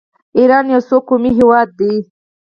ایران یو څو قومي هیواد دی.